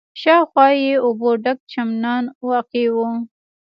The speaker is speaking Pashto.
شاوخوا یې اوبو ډک چمنان واقع و.